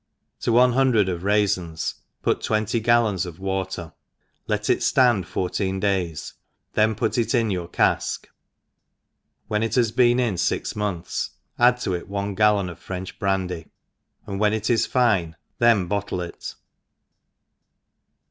TO one hundred of raifins put twenty gal lons of water, let it ftand fourteen days^ then put it into your caflc ; when it has been in fij( months, add to it one gallon of French brandy^ and when it is fine then bottle it.